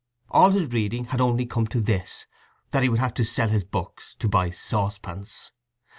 All his reading had only come to this, that he would have to sell his books to buy saucepans.